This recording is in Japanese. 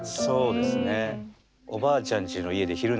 そうですね。